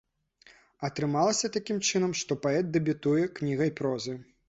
Атрымалася такім чынам, што паэт дэбютуе кнігай прозы.